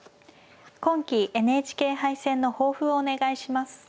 今期ＮＨＫ杯戦の抱負をお願いします。